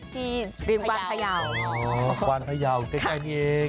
ที่พะเยาอ๋อบ้านพะเยาใกล้นี่เอง